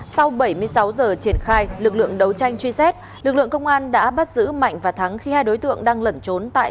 sau bảy mươi sáu giờ triển khai lực lượng đấu tranh truy xét lực lượng công an đã bắt giữ mạnh và thắng khi hai đối tượng đang lẩn trốn tại